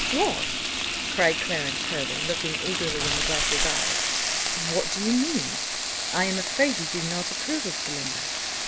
"What!" cried Clarence Hervey, looking eagerly in the doctor's eyes, "what do you mean? I am afraid you do not approve of Belinda."